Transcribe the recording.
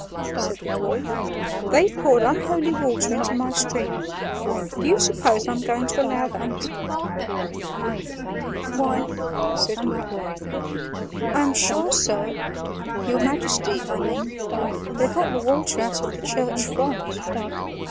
said the dwarf; "they poured unholy water into my stream. Do you suppose I'm going to allow that?" "Why," said Gluck, "I am sure, sir, your Majesty, I mean, they got the water out of the church font."